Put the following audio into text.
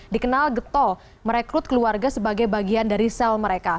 dikenal getol merekrut keluarga sebagai bagian dari sel mereka